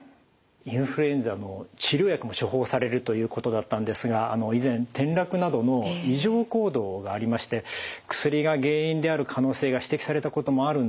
インフルエンザの治療薬も処方されるということだったんですが以前転落などの異常行動がありまして薬が原因である可能性が指摘されたこともある。